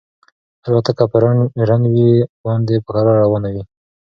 الوتکه په رن وې باندې په کراره روانه وه.